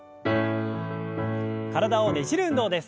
体をねじる運動です。